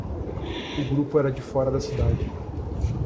O grupo era de fora da cidade.